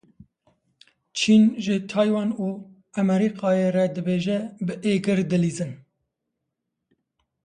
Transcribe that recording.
Çîn ji Taywan û Amerîkayê re dibêje; bi êgir dilîzîn.